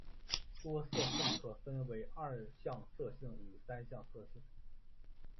多色性可分为二向色性与三向色性。